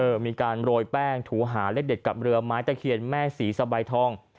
มีการโรยแป้งถูหาเลขเด็ดกับเรือไม้ตะเคียนแม่ศรีสะใบทอง